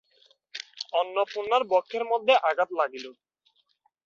অন্নপূর্ণার বক্ষের মধ্যে আঘাত লাগিল।